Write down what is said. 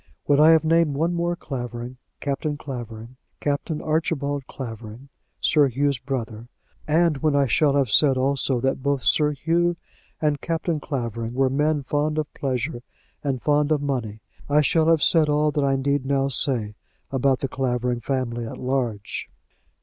When I have named one more Clavering, Captain Clavering, Captain Archibald Clavering, Sir Hugh's brother, and when I shall have said also that both Sir Hugh and Captain Clavering were men fond of pleasure and fond of money, I shall have said all that I need now say about the Clavering family at large.